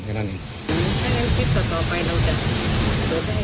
ถ้าให้มันติดต่อไปเราจะตรวจได้ไหม